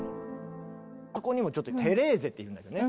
ここにもちょっと「テレーゼ」っているんだよね。